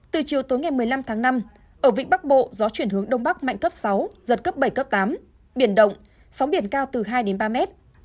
từ chiều tối ngày một mươi năm tháng năm ở vịnh bắc bộ gió chuyển hướng đông bắc mạnh cấp sáu giật cấp bảy cấp tám biển động sóng biển cao từ hai đến ba mét